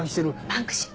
バンクシー。